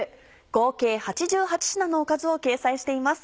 合計８８品のおかずを掲載しています。